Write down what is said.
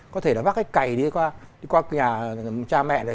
có thể là vác cái cày đi qua nhà cha mẹ